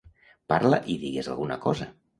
Parla i digues alguna cosa.